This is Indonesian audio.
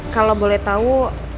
kalo boleh tau